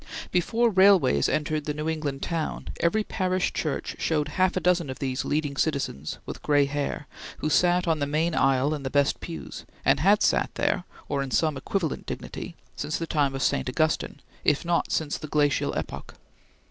Before railways entered the New England town, every parish church showed half a dozen of these leading citizens, with gray hair, who sat on the main aisle in the best pews, and had sat there, or in some equivalent dignity, since the time of St. Augustine, if not since the glacial epoch.